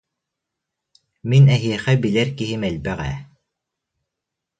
Мин эһиэхэ билэр киһим элбэх ээ